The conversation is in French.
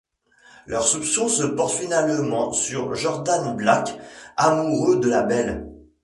Leurs soupçons se portent finalement sur Jordan Blake, amoureux de la belle.